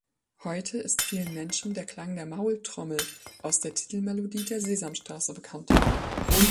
Heute ist vielen Menschen der Klang der Maultrommel aus der Titelmelodie der Sesamstraße bekannt.